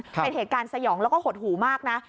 เป็นเหตุการณ์สยองแล้วก็หดหูมากนะ